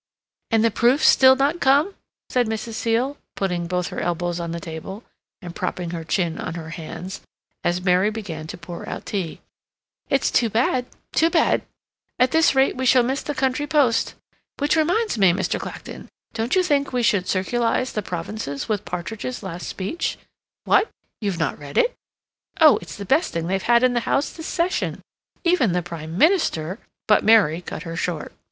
"And the proofs still not come?" said Mrs. Seal, putting both her elbows on the table, and propping her chin on her hands, as Mary began to pour out tea. "It's too bad—too bad. At this rate we shall miss the country post. Which reminds me, Mr. Clacton, don't you think we should circularize the provinces with Partridge's last speech? What? You've not read it? Oh, it's the best thing they've had in the House this Session. Even the Prime Minister—" But Mary cut her short.